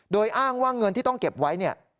โดยอ้างว่าเงินที่ต้องเก็บไว้เนี่ย